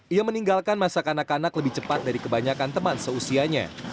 ia meninggalkan masa kanak kanak lebih cepat dari kebanyakan teman seusianya